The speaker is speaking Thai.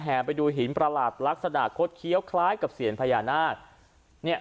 ไปดูหินประหลาดลักษณะคดเคี้ยวคล้ายกับเซียนพญานาคเนี่ย